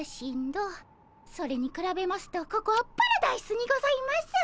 それにくらべますとここはパラダイスにございます。